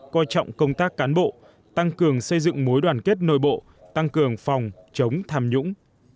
coi trọng công tác cán bộ tăng cường xây dựng mối đoàn kết nội bộ tăng cường phòng chống tham nhũng